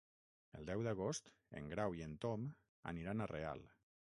El deu d'agost en Grau i en Tom aniran a Real.